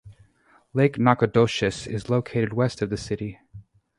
Lake Nacogdoches is located west of the city.